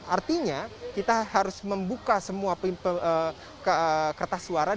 artinya kita harus membuka semua kertas suara